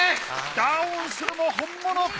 ダウンするも本物か！？